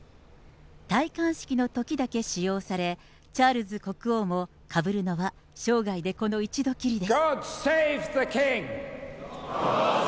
戴冠式のときだけ使用され、チャールズ国王もかぶるのは生涯でこの一度きりです。